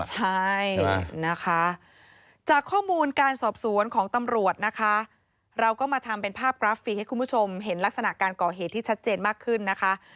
ใช่นะคะจากข้อมูลการสอบสวนของตำรวจนะคะเราก็มาทำเป็นภาพกราฟิกให้คุณผู้ชมเห็นลักษณะการก่อเหตุที่ชัดเจนมากขึ้นนะคะ